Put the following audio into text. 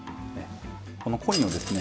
このコインをですね